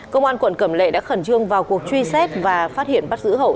công an quận cẩm lệ đã khẩn trương vào cuộc truy xét và phát hiện bắt giữ hậu